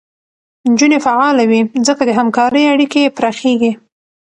نجونې فعاله وي، ځکه د همکارۍ اړیکې پراخېږي.